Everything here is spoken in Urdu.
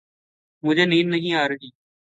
مجھے نیند نہیں آ رہی۔